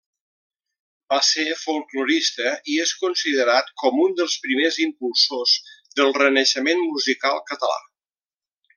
Va ser folklorista i és considerat com un dels primers impulsors del renaixement musical català.